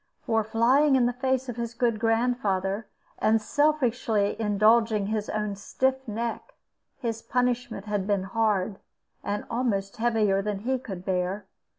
For flying in the face of his good grandfather, and selfishly indulging his own stiff neck, his punishment had been hard, and almost heavier than he could bear.